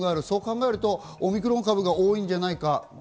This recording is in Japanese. そう考えるとオミクロン株が多いんじゃないか。